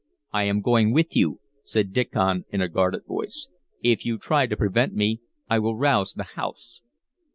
"I am going with you," said Diccon in a guarded voice. "If you try to prevent me, I will rouse the house."